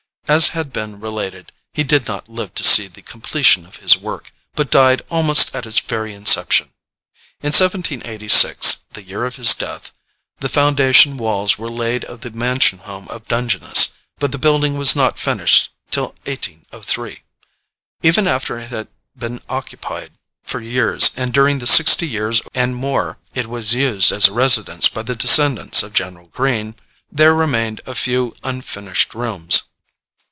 As has been related, he did not live to see the completion of his work, but died almost at its very inception. In 1786 the year of his death, the foundation walls were laid of the mansion home of Dungeness, but the building was not finished till 1803. Even after it had been occupied for years, and during the sixty years and more it was used as a residence by the descendants of General Greene, there remained a few unfinished rooms.